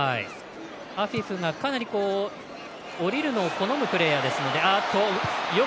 アフィフがかなり下りるのを好むプレーヤーですので。